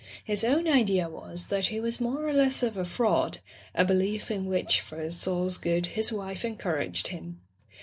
His own idea was that he was more or less of a fraud, a belief in which, for his soul's good, his wife en couraged him.